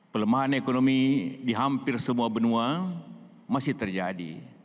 pelemahan ekonomi di hampir semua benua masih terjadi